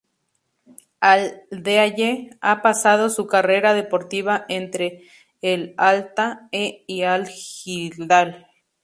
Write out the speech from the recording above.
Al-Deayea ha pasado su carrera deportiva entre el Al-Ta'ee y Al-Hilal.